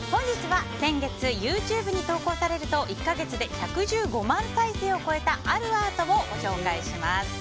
本日は、先月ＹｏｕＴｕｂｅに投稿されると１か月で１１５万再生を超えたあるアートをご紹介します。